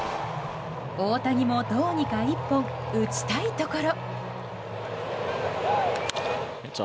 大谷もどうにか一本打ちたいところ。